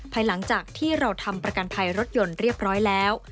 ภายหลังจากที่เราทำประกันภัยรถยนต์เรียบร้อยแล้ว